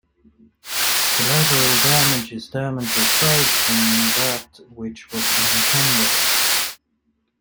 Collateral damage is damage aside from that which was intended.